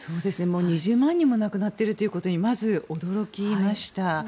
もう２０万人も亡くなっているということにまず驚きました。